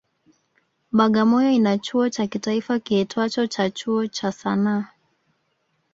Bagamoyo ina chuo cha kitaifa kiitwacho cha Chuo cha sanaa